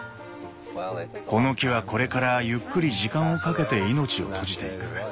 この木はこれからゆっくり時間をかけて命を閉じていく。